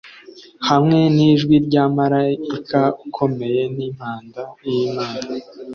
Hamwe n'ijwi rya maraika ukomeye n'impanda y'Imana;